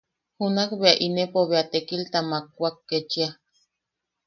Junak bea inepo bea tekilta makwak ketchia: